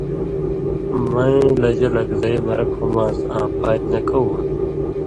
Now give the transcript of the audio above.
مَیں لژہ لک زئ مرک ہومان٘س آں پاتیۡ نہ کؤ ہُون٘د۔